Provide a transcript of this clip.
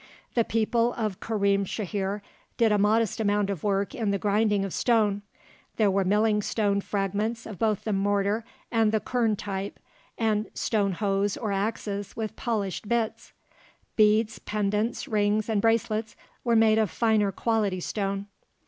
The people of Karim Shahir did a modest amount of work in the grinding of stone; there were milling stone fragments of both the mortar and the quern type, and stone hoes or axes with polished bits. Beads, pendants, rings, and bracelets were made of finer quality stone.